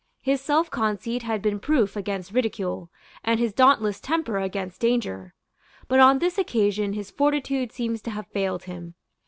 His selfconceit had been proof against ridicule, and his dauntless temper against danger. But on this occasion his fortitude seems to have failed him.